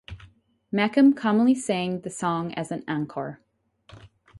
Makem commonly sang the song as an encore.